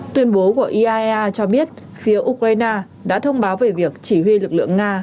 tuyên bố của iaea cho biết phía ukraine đã thông báo về việc chỉ huy lực lượng nga